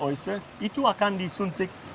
itu akan disuntik